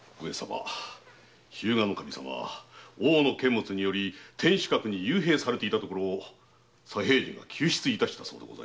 日向守様は大野監物により天守閣に幽閉されていたところ左平次が救出いたしたそうです。